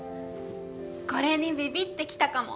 これにビビッてきたかも。